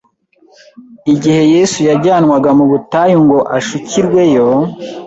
Igihe Yesu yajyanwaga mu butayu ngo ashukirweyo,